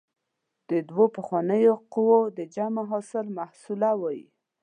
د دوو پخوانیو قوو د جمع حاصل محصله وايي.